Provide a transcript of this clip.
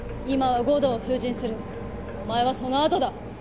今は悟堂を封刃するお前はそのあとだ！